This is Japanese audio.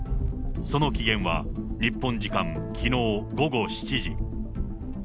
その期限は日本時間きのう午後７時。